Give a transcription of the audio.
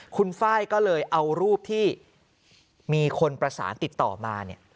คุณไฟล์ก็เลยเอารูปที่มีคนประสานติดต่อมาเนี่ย